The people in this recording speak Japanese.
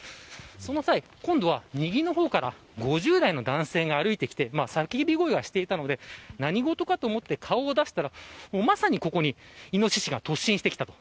その際、今度は右の方から５０代の男性が歩いてきて、叫び声がしたので何事かと思って顔を出したらまさにここにイノシシが突進してきたと。